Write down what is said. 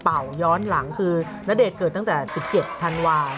ย้อนหลังคือณเดชน์เกิดตั้งแต่๑๗ธันวาคม